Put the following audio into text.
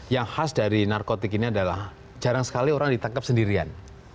yang khas dari narkotik ini adalah jarang sekali orang ditangkap sendirian